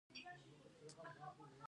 آیا نفټا یو پخوانی تړون نه و؟